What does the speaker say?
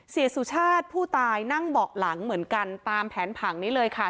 สุชาติผู้ตายนั่งเบาะหลังเหมือนกันตามแผนผังนี้เลยค่ะ